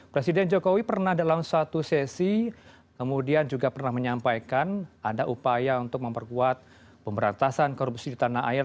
presiden jokowi pernah dalam satu sesi kemudian juga pernah menyampaikan ada upaya untuk memperkuat pemberantasan korupsi di tanah air